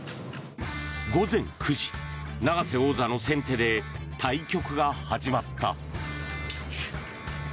午前９時、永瀬王座の先手で対局が始まった。